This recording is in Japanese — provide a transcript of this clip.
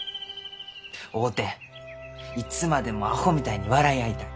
会うていつまでもアホみたいに笑い合いたい。